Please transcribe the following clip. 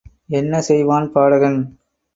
என்ன செய்வான் பாடகன்?